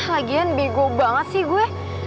lagian bigo banget sih gue